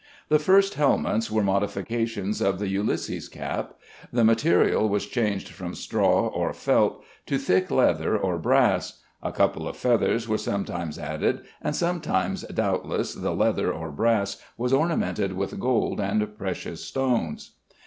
The first helmets were modifications of the Ulysses cap. The material was changed from straw or felt to thick leather or brass. A couple of feathers were sometimes added, and sometimes doubtless the leather or brass was ornamented with gold and precious stones.